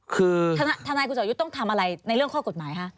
คือทนายคุณสอยุทธ์ต้องทำอะไรในเรื่องข้อกฎหมายคะ